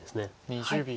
２０秒。